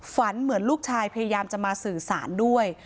เหมือนลูกชายพยายามจะมาสื่อสารด้วย